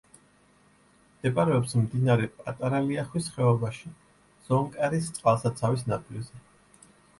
მდებარეობს მდინარე პატარა ლიახვის ხეობაში, ზონკარის წყალსაცავის ნაპირზე.